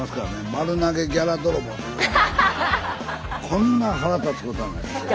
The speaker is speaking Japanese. こんな腹立つことはない。